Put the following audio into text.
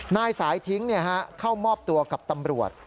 นายสายทิ้งเข้ามอบตัวกับตำรวจ